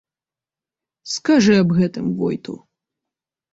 Скажы аб гэтым войту!